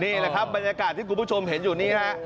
นี่แหละครับบรรยากาศที่คุณผู้ชมเห็นอยู่นี้ฮะ